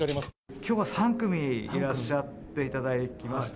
きょうは３組いらっしゃっていただきました。